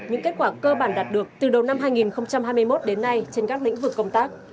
những kết quả cơ bản đạt được từ đầu năm hai nghìn hai mươi một đến nay trên các lĩnh vực công tác